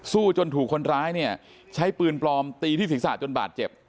จนถูกคนร้ายเนี่ยใช้ปืนปลอมตีที่ศีรษะจนบาดเจ็บ